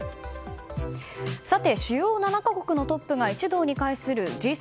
さて、主要７か国のトップが一堂に会するＧ７